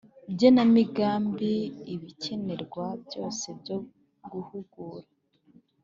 genamigambi ibikenerwa byose byo guhugura